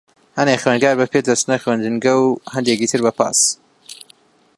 هەندێک خوێندکار بە پێ دەچنە خوێندنگە، و هەندێکی تر بە پاس.